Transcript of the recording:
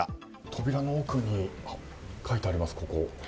扉の奥に書いてあります。